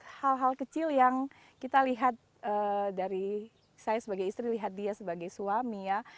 ada hal hal kecil yang kita lihat dari saya sebagai istri lihat dia sebagai suami ya